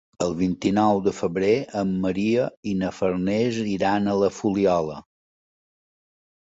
El vint-i-nou de febrer en Maria i na Farners iran a la Fuliola.